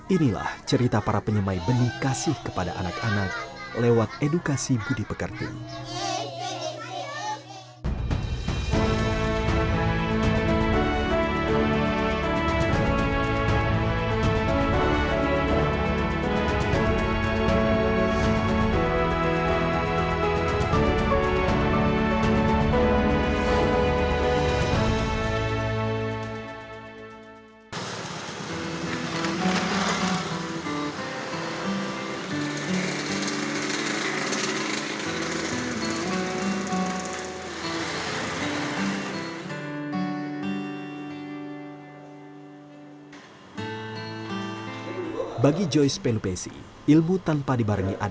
inilah cerita para penyemai benih kasih kepada anak anak lewat edukasi budi pekerti